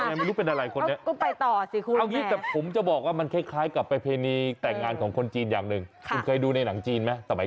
เหมือนกับเป็นภาพบังหน้าไว้